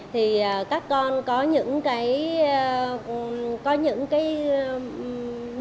thì các con có những cái lĩnh vực của trường ước mơ